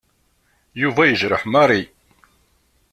Yuba yejreḥ Mary.